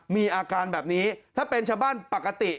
มีอาการแบบนี้ถ้าเป็นชาวบ้านปกติ